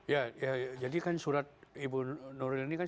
ya jadi kan surat ibu nuril ini kan